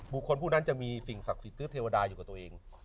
ผู้นั้นจะมีสิ่งศักดิ์สิทธิ์หรือเทวดาอยู่กับตัวเอง